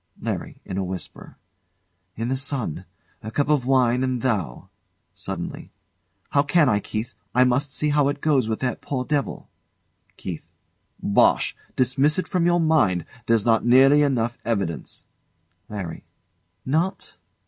LARRY. [In a whisper] In the sun! "A cup of wine and thou." [Suddenly] How can I, Keith? I must see how it goes with that poor devil. KEITH. Bosh! Dismiss it from your mind; there's not nearly enough evidence. LARRY. Not?